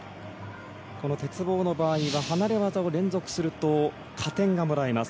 鉄棒の場合は離れ技を連続すると加点がもらえます。